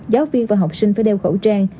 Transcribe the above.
giáo viên và học sinh phải đeo khẩu trang